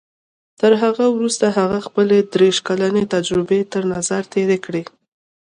تر هغه وروسته هغه خپلې دېرش کلنې تجربې تر نظر تېرې کړې.